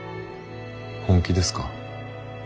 本気ですか？